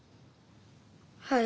はい。